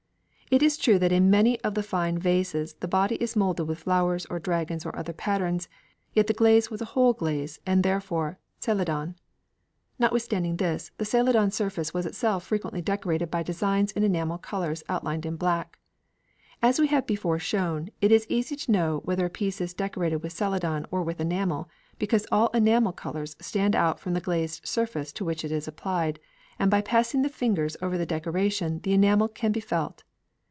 It is true that in many of the fine vases the body is moulded with flowers or dragons or other patterns, yet the glaze was a whole glaze and therefore Celadon. Notwithstanding this, the Celadon surface was itself frequently decorated by designs in enamel colours outlined in black. As we have before shown, it is easy to know whether a piece is decorated with Celadon or with enamel, because all enamel colours stand out from the glazed surface to which it is applied, and by passing the fingers over the decoration the enamel can be felt.